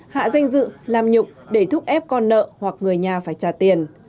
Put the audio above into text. hạ danh dự làm nhục để thúc ép con nợ hoặc người nhà phải trả tiền